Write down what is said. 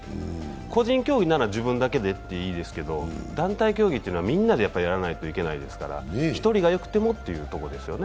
個人競技なら自分だけでいいですけど、団体競技というのは、みんなでやらないといけないですから１人がよくてもというところですよね。